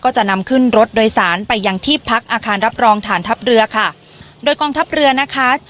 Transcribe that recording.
จะนำขึ้นรถโดยสารไปยังที่พักอาคารรับรองฐานทัพเรือค่ะโดยกองทัพเรือนะคะ